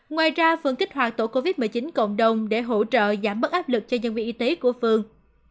ngoài ra phường kích hoạt tổ covid một mươi chín cộng đồng để hỗ trợ giảm bớt áp lực cho nhân viên y tế của phường